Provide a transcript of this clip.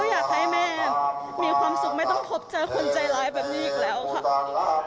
อยากให้แม่มีความสุขไม่ต้องพบเจอคนใจร้ายแบบนี้อีกแล้วค่ะ